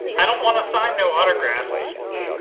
I don't wanta sign no autographs.